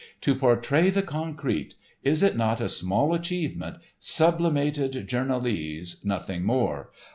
"To portray the concrete—is it not a small achievement, sublimated journalese, nothing more?